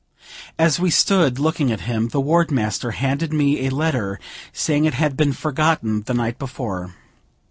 As we stood looking at him, the ward master handed me a letter, saying it had been forgotten the night before.